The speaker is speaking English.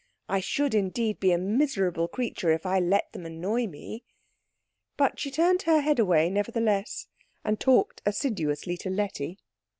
I should indeed be a miserable creature if I let them annoy me." But she turned her head away, nevertheless, and talked assiduously to Letty.